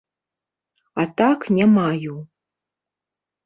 А так не маю.